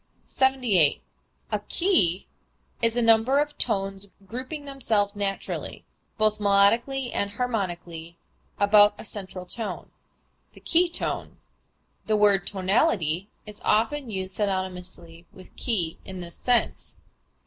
78. A key is a number of tones grouping themselves naturally (both melodically and harmonically) about a central tone the key tone. The word tonality is often used synonymously with key in this sense.